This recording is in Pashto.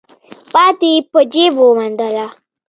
پاتې يې په جېب ومنډه.